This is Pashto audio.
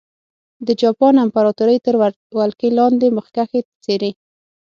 د جاپان امپراتورۍ تر ولکې لاندې مخکښې څېرې.